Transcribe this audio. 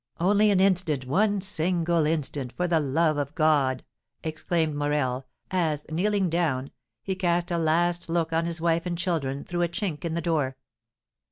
"Only an instant, one single instant, for the love of God!" exclaimed Morel, as, kneeling down, he cast a last look on his wife and children through a chink in the door.